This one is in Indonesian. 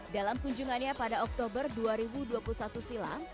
dalam kunjungannya pada oktober dua ribu dua puluh satu silam